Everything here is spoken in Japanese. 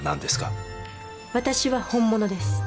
私は本物です。